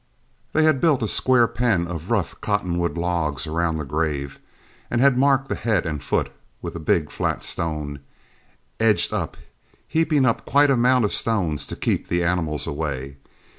They had built a square pen of rough cottonwood logs around the grave, and had marked the head and foot with a big flat stone, edged up, heaping up quite a mound of stones to keep the animals away.